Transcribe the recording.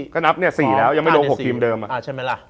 ก็นับเนี่ย๔แล้วยังไม่ลง๖ทีมเดิม